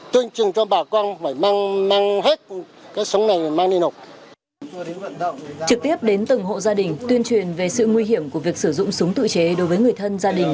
trực tiếp đến từng hộ gia đình tuyên truyền về sự nguy hiểm của việc sử dụng súng tự chế đối với người thân gia đình